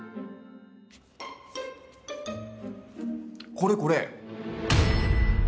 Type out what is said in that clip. これこれ！